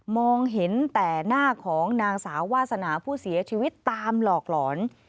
มองเห็นแต่หน้าของนางสาววาสนาผู้เสียชีวิตตามหลอกหลอน